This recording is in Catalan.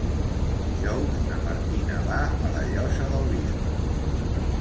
Dijous na Martina va a la Llosa del Bisbe.